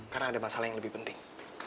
karena ada masalah yang lebih penting